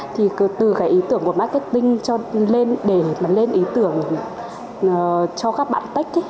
thì từ cái ý tưởng của marketing cho lên để mà lên ý tưởng cho các bạn tech ý